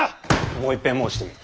もういっぺん申してみよ。